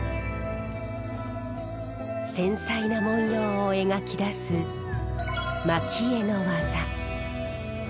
繊細な文様を描き出す蒔絵の技。